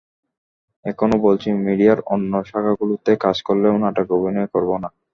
এখনো বলছি, মিডিয়ার অন্য শাখাগুলোতে কাজ করলেও নাটকে অভিনয় করব না।